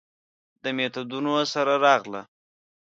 میتودونو سره راغله.